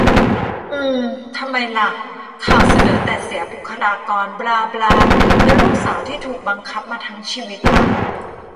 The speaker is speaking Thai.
อืม ทำไมล่ะ ข่าวเสนอแต่เสียบุคลากรบลาบลา แล้วลูกสาวที่ถูกบังคับมาทั้งชีวิตล่ะ